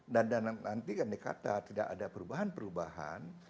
dan nanti kan dikatakan tidak ada perubahan perubahan